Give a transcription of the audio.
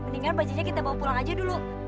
mendingan bajunya kita bawa pulang aja dulu